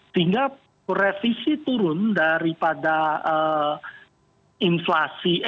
sehingga revisi turun daripada inflasi